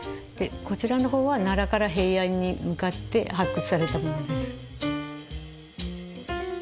でこちらの方は奈良から平安に向かって発掘されたものです。